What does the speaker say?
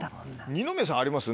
二宮さんあります？